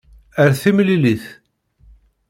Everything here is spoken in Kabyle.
Ar timlilit!